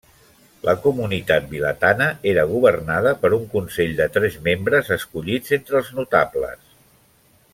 La comunitat vilatana era governada per un consell de tres membres escollits entre els notables.